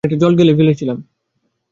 অনেকটা জল গিলে ফেলেছিলাম।